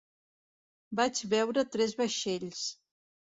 Vaig veure tres vaixells.